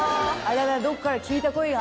・どっかで聞いた声が。